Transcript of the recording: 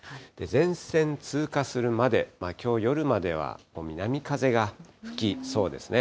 前線通過するまで、きょう、夜までは南風が吹きそうですね。